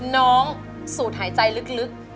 น้องสูดหายใจลึก